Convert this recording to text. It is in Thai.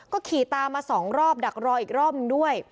ก็ขี่ตามมา๒รอบดักรออีกรอบนึงด้วย